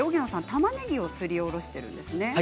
たまねぎをすりおろしています。